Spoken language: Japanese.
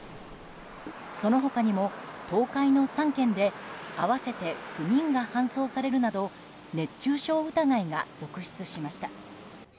その他にも、東海の３県で合わせて９人が搬送されるなど熱中症疑いが続出しました。